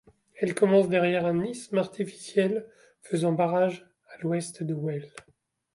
Elle commence derrière un isthme artificiel, faisant barrage, à l'ouest de Well.